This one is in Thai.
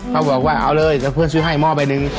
เขาบอกว่าเอาเลยแล้วเพื่อนซื้อให้หม้อใบหนึ่ง